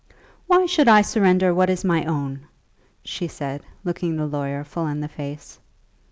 "Why should I surrender what is my own?" she had said, looking the lawyer full in the face.